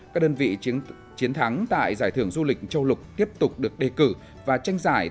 các đơn vị chiến thắng tại giải thưởng du lịch châu lục tiếp tục được đề cử và tranh giải